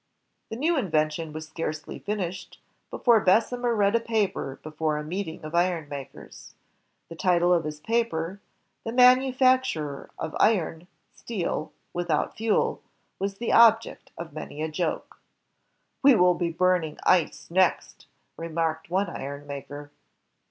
The new invention was scarcely finished before Bes semer read a paper before a meeting of iron makers. The title of his paper, "The Manufacture of Iron (Steel) with out Fuel," was the object of many a joke. "We will be burning ice next," remarked one iron maker.